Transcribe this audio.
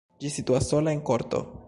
Ĝi situas sola en korto.